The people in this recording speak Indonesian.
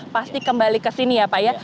pasti kembali ke sini ya pak ya